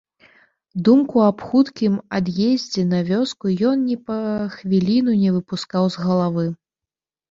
Думку аб хуткім ад'ездзе на вёску ён ні па хвіліну не выпускаў з галавы.